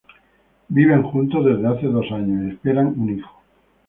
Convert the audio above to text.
Viven juntos desde hace dos años y esperan un hijo.